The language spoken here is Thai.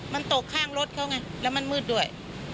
มันตกข้างรถเขาไงแล้วมันมืดด้วย